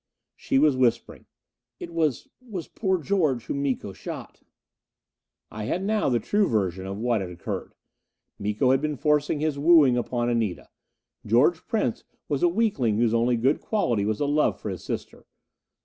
She was whispering: "It was was poor George whom Miko shot." I had now the true version of what had occurred. Miko had been forcing his wooing upon Anita. George Prince was a weakling whose only good quality was a love for his sister.